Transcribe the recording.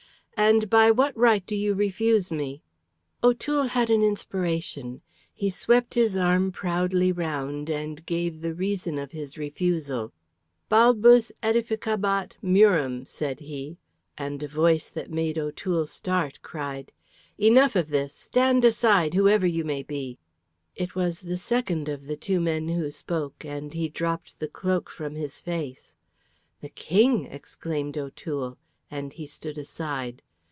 "And by what right do you refuse me?" O'Toole had an inspiration. He swept his arm proudly round and gave the reason of his refusal. "Balbus aedificabat murum," said he; and a voice that made O'Toole start cried, "Enough of this! Stand aside, whoever you may be." It was the second of the two men who spoke, and he dropped the cloak from his face. "The King!" exclaimed O'Toole, and he stood aside.